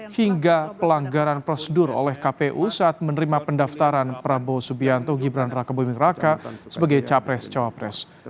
hingga pelanggaran prosedur oleh kpu saat menerima pendaftaran prabowo subianto gibran raka buming raka sebagai capres cawapres